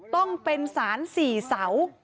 ต้องเป็นสาร๔เสา